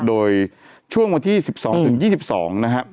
โดยช่วงวันที่๑๒๒นะครับ